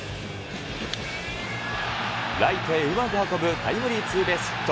ライトへうまく運ぶタイムリーツーベースヒット。